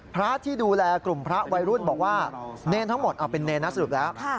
พระที่ดูแลกลุ่มพระวัยรุ่นบอกว่าเนรทั้งหมดเป็นเนรนะสรุปแล้ว